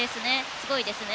すごいですね。